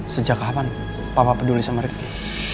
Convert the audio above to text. sejak kapan papa peduli sama rifki